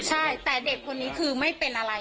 ใช่แต่เด็กคนนี้คือไม่เป็นอะไร